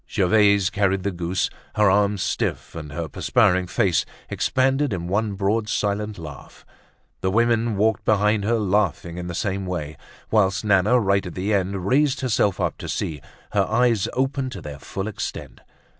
Gervaise carried the goose, her arms stiff, and her perspiring face expanded in one broad silent laugh; the women walked behind her, laughing in the same way; whilst Nana, right at the end, raised herself up to see, her eyes open to their full extent.